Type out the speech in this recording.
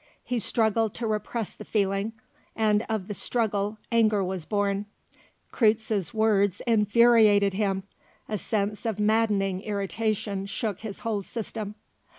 He struggled to repress the feeling, and of the struggle anger was born. Kreutze's words infuriated him. A sense of maddening irritation shook his whole system.